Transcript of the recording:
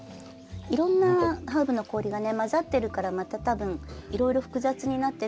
いろんなハーブの氷がねまざってるからまた多分いろいろ複雑になってるんだと思うんですけど。